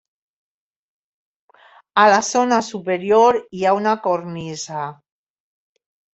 A la zona superior hi ha una cornisa.